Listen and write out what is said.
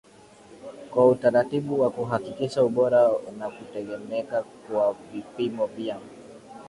kwa utaratibu wa kuhakikisha ubora na kutegemeka kwa vipimo vya